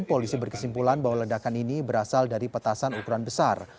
polisi berkesimpulan bahwa ledakan ini berasal dari petasan ukuran besar